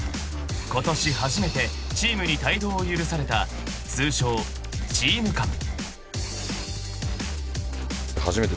［ことし初めてチームに帯同を許された通称ＴＥＡＭＣＡＭ］